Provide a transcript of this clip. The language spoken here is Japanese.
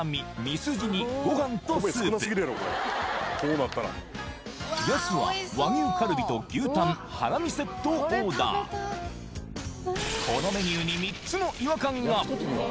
すじにご飯とスープ米少なすぎるやろこれこうなったら安は和牛カルビと牛タンハラミセットをオーダーこのメニューに３つの違和感が！